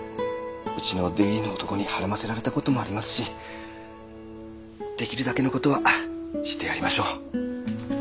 うちの出入りの男に孕ませられた事もありますしできるだけの事はしてやりましょう。